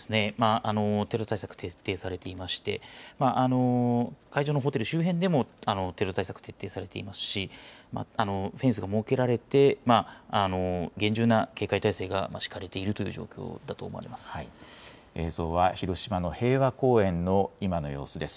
テロ対策徹底されていまして、会場のホテル周辺でもテロ対策、徹底されていますし、フェンスが設けられて、厳重な警戒態勢が敷か映像は広島の平和公園の今の様子です。